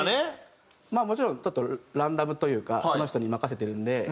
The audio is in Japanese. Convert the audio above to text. まあもちろんちょっとランダムというかその人に任せてるので。